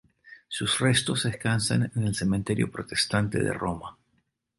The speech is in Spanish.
Sus restos descansan en el Cementerio protestante de Roma.